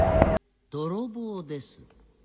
泥棒です。